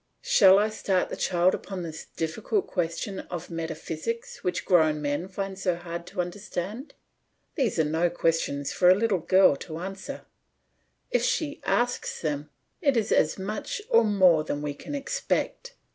Shall I start the child upon this difficult question of metaphysics which grown men find so hard to understand? These are no questions for a little girl to answer; if she asks them, it is as much or more than we can expect.